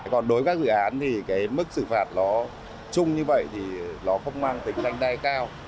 còn đối với các dự án thì cái mức xử phạt nó chung như vậy thì nó không mang tính danh đai cao